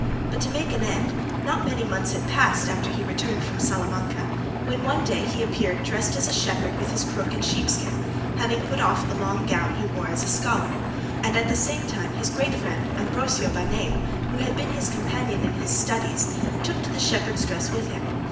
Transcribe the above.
But, to make an end, not many months had passed after he returned from Salamanca, when one day he appeared dressed as a shepherd with his crook and sheepskin, having put off the long gown he wore as a scholar; and at the same time his great friend, Ambrosio by name, who had been his companion in his studies, took to the shepherd's dress with him.